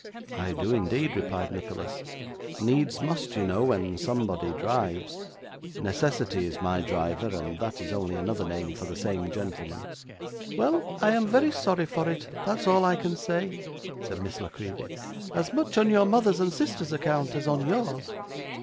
'I do, indeed,' replied Nicholas. 'Needs must, you know, when somebody drives. Necessity is my driver, and that is only another name for the same gentleman.' 'Well, I am very sorry for it; that's all I can say,' said Miss La Creevy; 'as much on your mother's and sister's account as on yours.